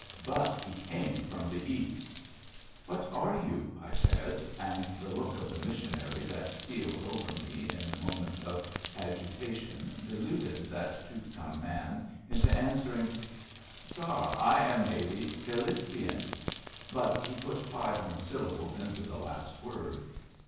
But he came from the East. What are you? '' I said, and the look of the missionary that steals over me in moments of agitation deluded that tooth comb man into answering, Sar, I am native ki lis ti an,'* but he put five more syllables into the last word.